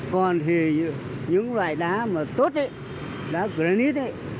còn thì những loại đá mà tốt ấy đá granite ấy